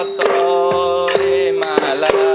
สร้อยมาลา